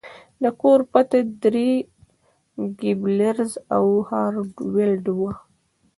د کور پته درې ګیبلز او هارو ویلډ وه